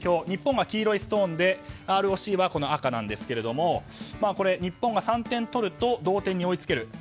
日本が黄色いストーンでＲＯＣは赤なんですがこれ、日本が３点取ると同点に追いつける。